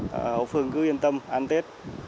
là hậu phương cứ yên tâm ăn tết